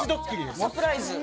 そうサプライズ。